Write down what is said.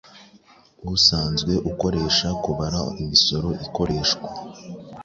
usanzwe ukoresha kubara imisoro ikoreshwa